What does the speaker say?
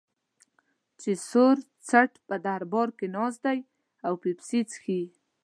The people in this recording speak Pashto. چې سور څټ په دربار کې ناست دی او پیپسي څښي.